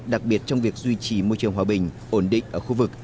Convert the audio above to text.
đặc biệt trong việc duy trì môi trường hòa bình ổn định ở khu vực